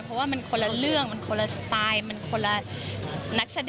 เพราะว่ามันคนละเรื่องมันคนละสไตล์มันคนละนักแสดง